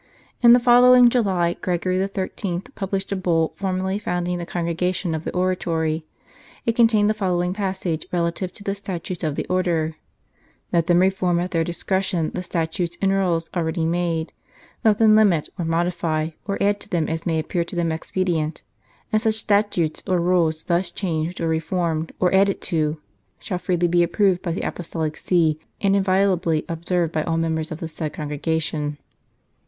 In the following July, Gregory XIII. published a Bull formally founding the Congregation of the Oratory ; it contains the following passage relative to the statutes of the Order :" Let them reform at their discretion the statutes and rules already made ; let 132 " Tales Ambio Defensores them limit, or modify, or add to them as may appear to them expedient. And such statutes or rules thus changed or reformed or added to shall be freely approved by the Apostolic See, and inviolably observed by all members of the said Congregation."